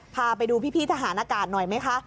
พาไปดูพี่ทหารอากาศหน่อยไหมคะ